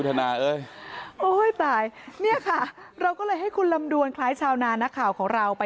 หน้าตาเป็นไงหน้าตาเป็นไงคืออะไร